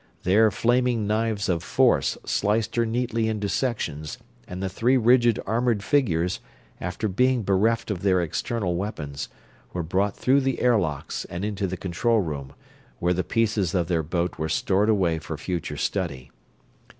There flaming knives of force sliced her neatly into sections and the three rigid armored figures, after being bereft of their external weapons, were brought through the air locks and into the control room, while the pieces of their boat were stored away for future study.